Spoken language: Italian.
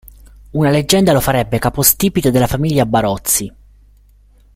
Una leggenda lo farebbe capostipite della famiglia Barozzi.